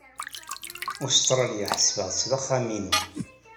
Ustṛalya ḥesbeɣ-tt d axxam-inu.